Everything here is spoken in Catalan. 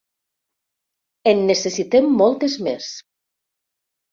En necessitem moltes més.